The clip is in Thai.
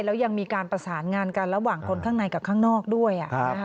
แล้วยังมีการประสานงานกันระหว่างคนข้างในกับข้างนอกด้วย